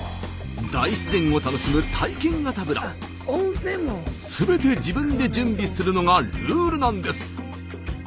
大自然を楽しむすべて自分で準備するのがルールなんです。